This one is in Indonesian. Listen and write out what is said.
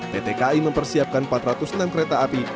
pt kai mempersiapkan empat ratus enam kereta api